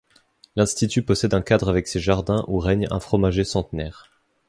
L'Institut possède un cadre avec ses jardins où règne un fromager centenaire.